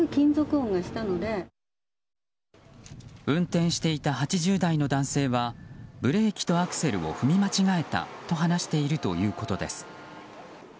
運転していた８０代の男性はブレーキとアクセルを踏み間違えたと話しているということです。